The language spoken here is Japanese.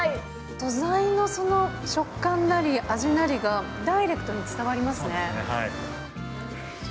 素材のその食感なり、味なりがダイレクトに伝わりますね。